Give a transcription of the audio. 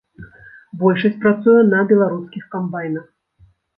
Большасць працуе на беларускіх камбайнах.